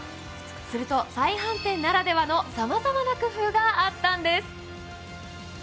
すると、再販店ならではのさまざまな工夫があったんです。